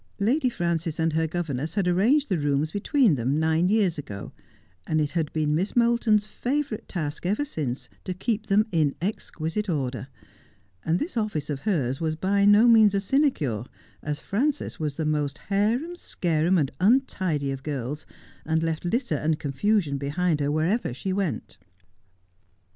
Lady Frances and her governess had arranged the rooms between them, nine years ago, and it had been Miss Moulton's favourite task ever since to keep them in exquisite order; and this office of hers was by no means a sinecure, as Frances was the most harum scarum and untidy of girJs, and left litter and confusion behind her wherever she went. 121 Just as I Am.